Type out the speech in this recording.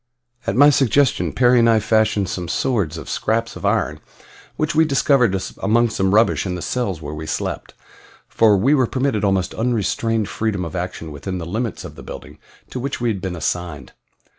At my suggestion Perry and I fashioned some swords of scraps of iron which we discovered among some rubbish in the cells where we slept, for we were permitted almost unrestrained freedom of action within the limits of the building to which we had been assigned.